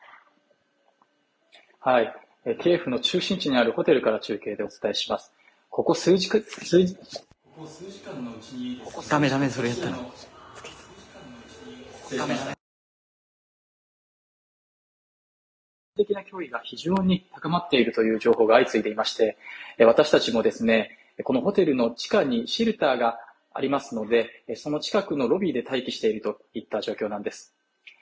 キエフの中心地にあるホテルから中継でお伝えします軍事的な脅威が非常に高まっているという情報が相次いでいまして私たちもこのホテルの地下にシルバーがありますのでその近くのロビーで待機しているといった状況なんです